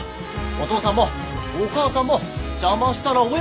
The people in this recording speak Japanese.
お義父さんもお義母さんも邪魔したらおえんでえ。